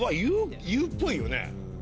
言うっぽいよね。